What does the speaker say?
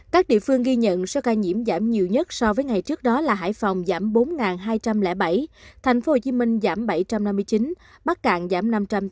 các địa phương ghi nhận số ca nhiễm giảm nhiều nhất so với ngày trước đó là hải phòng giảm bốn hai trăm linh bảy tp hcm giảm bảy trăm năm mươi chín bắc cạn giảm năm trăm sáu mươi tám